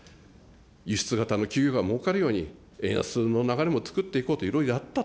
輸出型の企業がもうかるように、円安の流れも作っていこうといろいろやったと。